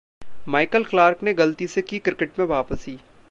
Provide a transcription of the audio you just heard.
Michael Clarke ने गलती से की क्रिकेट में वापसी!